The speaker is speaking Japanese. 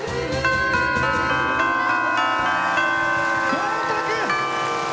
合格！